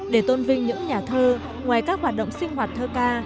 để tôn vinh những nhà thơ ngoài các hoạt động sinh hoạt thơ ca